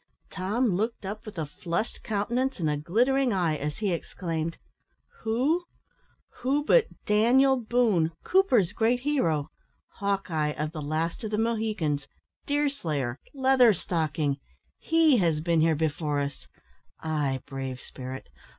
Tom looked up with a flushed countenance and a glittering eye, as he exclaimed "Who? Who but Daniel Boone, Cooper's great hero Hawk eye, of the `Last of the Mohicans' Deer slayer Leather stocking! He has been here before us ay, brave spirit!